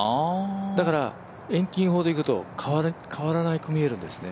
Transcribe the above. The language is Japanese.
だから、遠近法でいくと変わらなく見えるんですね。